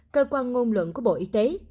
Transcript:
cơ quan ngôn luận của bộ y tế